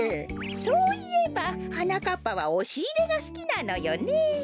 そういえばはなかっぱはおしいれがすきなのよねえ。